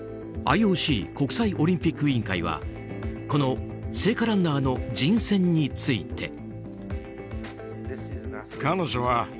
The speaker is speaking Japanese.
ＩＯＣ・国際オリンピック委員会はこの聖火ランナーの人選について。